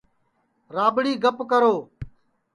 راٻڑی گپ کرو